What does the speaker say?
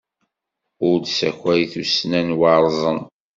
Ur d-ssakay tussna n waṛẓen!